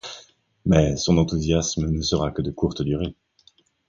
Mais, son enthousiasme ne sera que de courte durée.